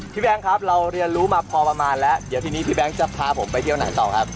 แบงค์ครับเราเรียนรู้มาพอประมาณแล้วเดี๋ยวทีนี้พี่แบงค์จะพาผมไปเที่ยวไหนต่อครับ